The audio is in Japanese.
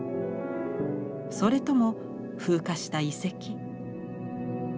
それとも風化した遺跡？